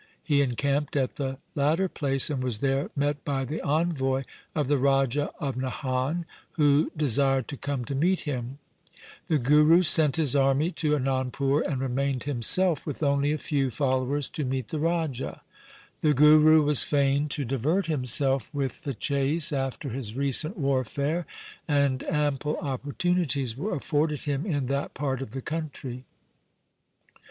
He encamped at the latter place, and was there met by the envoy of the Raja of Nahan, who desired to come to meet him. The Guru sent his army to Anandpur, and remained himself with only a few followers to meet the Raja. The Guru was fain to divert himself with the chase after his recent warfare, and ample opportunities were afforded him in that part of the country.